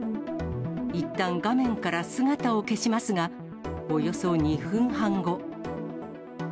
いったん画面から姿を消しますが、およそ２分半後。